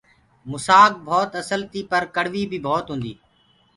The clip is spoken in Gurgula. موسآ ڀوت اسل تي پر ڪڙويٚ بي ڀوت هوندي۔